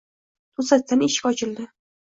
To‘satdan eshik ochildi.